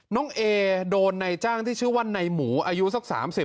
น้องเอโดนในจ้างที่ชื่อว่าในหมูอายุสัก๓๐